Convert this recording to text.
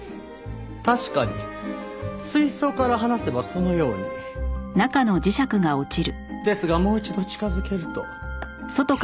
確かに水槽から離せばこのように。ですがもう一度近づけると。